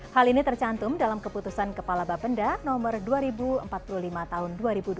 hal ini tercantum dalam keputusan kepala bapenda nomor dua ribu empat puluh lima tahun dua ribu dua puluh